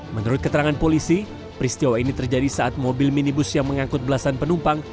menurut keterangan polisi peristiwa ini terjadi saat mobil minibus yang mengangkut belasan penumpang